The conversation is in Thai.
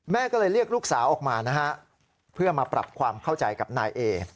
แม่ก็เลยเรียกลูกสาวออกมานะฮะเพื่อมาปรับความเข้าใจกับนายเอ